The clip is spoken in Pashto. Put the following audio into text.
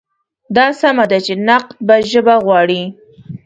دا سمه ده چې نقد به ژبه غواړي.